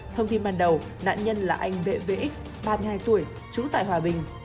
thông tin ban đầu nạn nhân là anh bệ vx ba mươi hai tuổi trú tại hòa bình